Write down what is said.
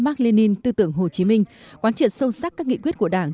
mark lenin tư tưởng hồ chí minh quán triệt sâu sắc các nghị quyết của đảng